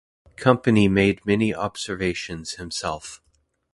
Campani made many observations himself.